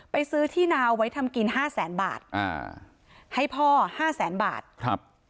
ซื้อที่นาไว้ทำกินห้าแสนบาทอ่าให้พ่อห้าแสนบาทครับ